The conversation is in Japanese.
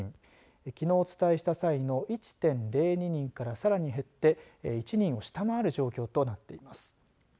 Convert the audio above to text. きのう、お伝えした際の１．０２人からさらに減って１人を下回る状況となっています。